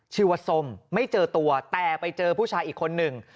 ชื่อว่าส้มไม่เจอตัวแต่ไปเจอผู้ชายอีกคนหนึ่ง